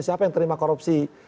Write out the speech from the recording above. siapa yang terima korupsi